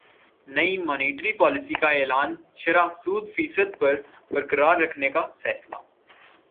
نئی monetary policy کا اعلان شرح سود فیصد پر برقرار رکھنے کا فیصلہ